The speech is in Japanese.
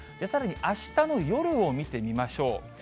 さらにあしたの夜を見てみましょう。